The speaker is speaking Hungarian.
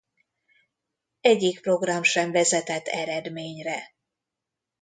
Egyik program sem vezetett eredményre.